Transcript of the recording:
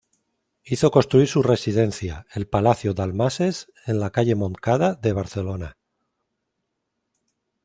Hizo construir su residencia, el Palacio Dalmases, en la calle Montcada de Barcelona.